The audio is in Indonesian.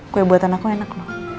kue buatan aku enak